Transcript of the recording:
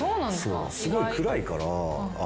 そうすごい暗いから。